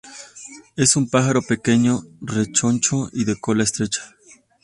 Es un pájaro pequeño, rechoncho y de cola estrecha.